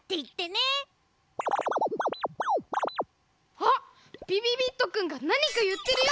あっびびびっとくんがなにかいってるよ。